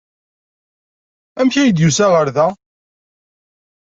Amek ay d-yusa ɣer da?